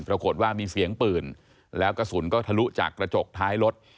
ปรากฏว่ามีเสียงปืนแล้วกระสุนก็ทะลุจากกระจกท้ายรถ